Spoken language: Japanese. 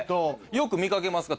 よく見かけますか？